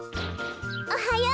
おはよう！